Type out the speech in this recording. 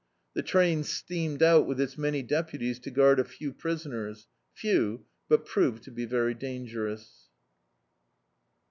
The train steamed out with its many deputies to guard a few priscmers — few, but proved to be very dangerous.